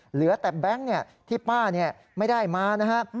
เหลือแต่แบงค์ที่ป้าไม่ได้มานะฮะ